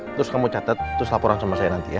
terus kamu catat terus laporan sama saya nanti ya